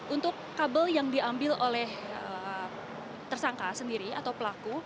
untuk kabel yang diambil oleh tersangka sendiri atau pelaku